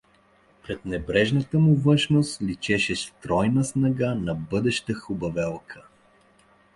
Под небрежната му външност личеше стройна снага на бъдеща хубавелка.